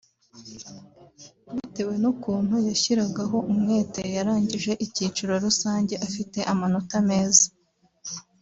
Bitewe n’ukuntu yashyiragaho umwete yarangije icyiciro rusange afite amanota meza